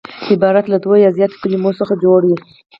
عبارت له دوو یا زیاتو کليمو څخه جوړ يي.